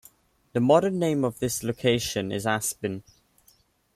The modern name of this location is Aspen.